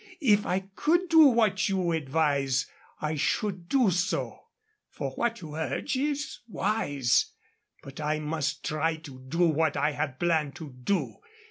If I could do what you advise I should do so; for what you urge is wise. But I must try to do what I have planned to do.